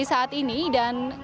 dan seperti inilah kondisinya